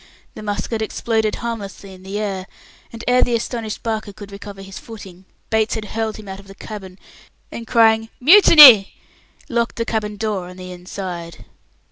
The musket exploded harmlessly in the air, and ere the astonished Barker could recover his footing, Bates had hurled him out of the cabin, and crying "Mutiny!" locked the cabin door on the inside.